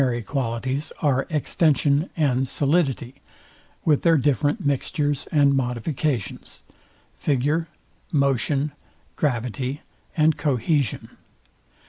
These primary qualities are extension and solidity, with their different mixtures and modifications; figure, motion, gravity, and cohesion.